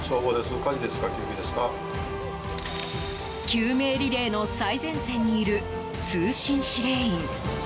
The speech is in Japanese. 救命リレーの最前線にいる通信指令員。